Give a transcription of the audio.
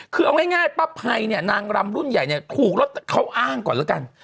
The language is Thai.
คือเอาง่ายป้าไพรเนี่ยนางรำรุ่นใหญ่เนี่ยถูกรถเขาอ้างก่อนแล้วกัน